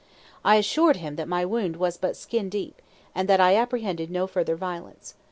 I assured him that my wound was but skin deep, and that I apprehended no further violence.